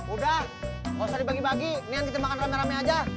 udah gak usah dibagi bagi nian kita makan rame rame aja